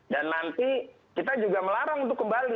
dan nanti kita juga melarang untuk kembali